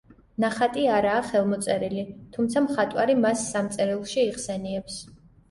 ნახატი არაა ხელმოწერილი, თუმცა მხატვარი მას სამ წერილში იხსენიებს.